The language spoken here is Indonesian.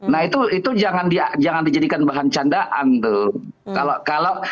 nah itu jangan dijadikan bahan candaan tuh